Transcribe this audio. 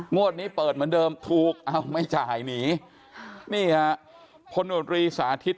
งวดนี้เปิดเหมือนเดิมถูกเอาไม่จ่ายหนีนี่ฮะพลโนตรีสาธิต